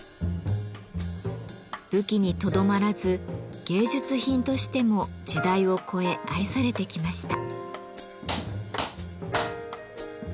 武器にとどまらず芸術品としても時代を超え愛されてきました。